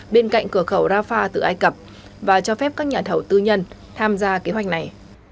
bên cạnh cửa khẩu rafah từ ai cập và cho phép các nhà thầu tư nhân tham gia kế hoạch này